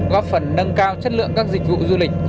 góp phần nâng cao chất lượng các dịch vụ du lịch